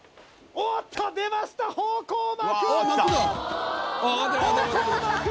おっと出ました、方向幕。